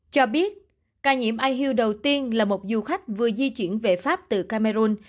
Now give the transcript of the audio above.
cho biết ca nhiễm ihu đầu tiên là một du khách vừa di chuyển về pháp từ camera